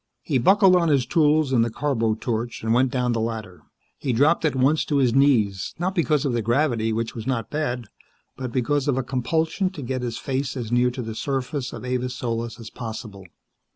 He buckled on his tools and the carbo torch, and went down the ladder. He dropped at once to his knees, not because of the gravity, which was not bad, but because of a compulsion to get his face as near to the surface of Avis Solis as possible.